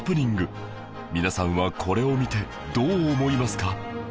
皆さんはこれを見てどう思いますか？